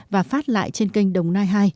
và phát lại trên kênh đồng nai hai